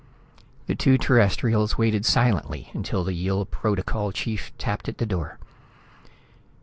The two Terrestrials waited silently until the Yill Protocol chief tapped at the door.